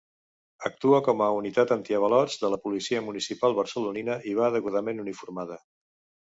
Actua com a unitat antiavalots de la policia municipal barcelonina i va degudament uniformada.